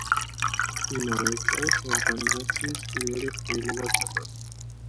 იმავე წელს ორგანიზაციის პირველი ყრილობა ჩატარდა.